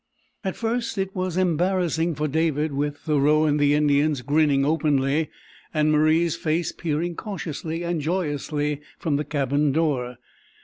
At first it was embarrassing for David, with Thoreau and the Indians grinning openly, and Marie's face peering cautiously and joyously from the cabin door.